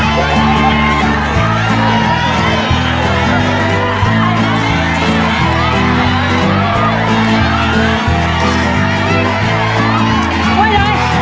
สู้ไว้ด้วย